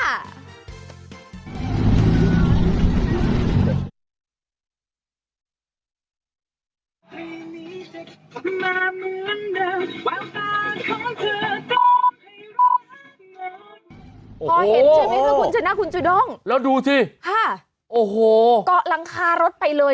พอเห็นใช่ไหมคะคุณชนะคุณจูด้งแล้วดูสิค่ะโอ้โหเกาะหลังคารถไปเลย